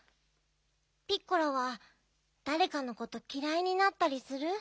ピッコラはだれかのこときらいになったりする？